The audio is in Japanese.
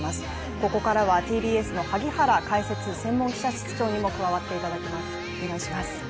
ここからはＴＢＳの萩原解説専門記者室長にも加わっていただきます。